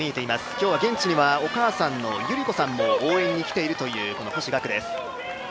今日は現地にはお母さんも応援に来ているという星岳です。